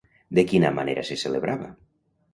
De quina manera se celebrava?